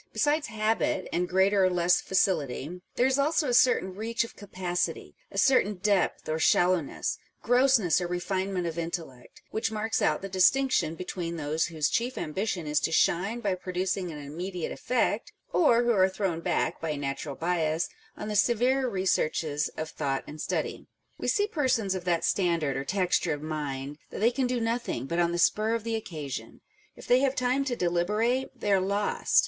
Besides habit, and greater or less facility, there is also a certain reach of capacity, a certain depth or shallowness, grossness or refinement of intellect, which marks out the distinction between those whose chief ambition is to shine by pro ducing an immediate effect, or who are thrown back, by a natural bias, on the severer researches of thought and study. We see persons of that standard or texture of mind that they can do nothing, but on the spur of the occasion : if they have time to deliberate, they are lost.